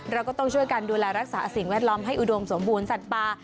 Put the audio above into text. เราก็ต้องช่วยกันดูแลรักษาสิ่งแวดล้อมให้อุดมสมบูรณสัตว์ป่า